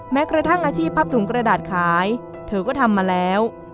แม้กระทั่งอาชีพพับถุงกระดาษขายเธอก็ทำมาแล้ว